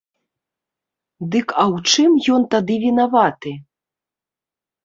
Дык а ў чым ён тады вінаваты?